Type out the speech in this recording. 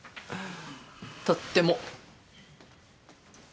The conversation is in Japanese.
とっても！